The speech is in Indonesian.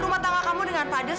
rumah tangga kamu dengan pades